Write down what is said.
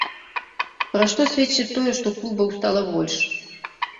Пра што сведчыць тое, што клубаў стала больш?